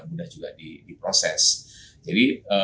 mudah juga diproses jadi